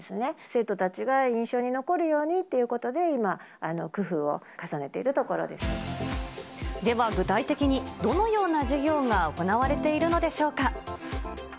生徒たちが印象に残るようにということで、今、工夫を重ねているでは、具体的にどのような授業が行われているのでしょうか。